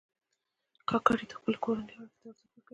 کاکړي د خپلو کورنیو اړیکو ته ارزښت ورکوي.